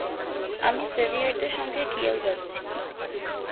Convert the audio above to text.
আমি সেভিয়ারদের সঙ্গে কিয়েল যাচ্ছি।